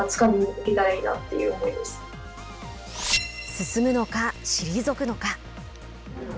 進むのか、退くのか。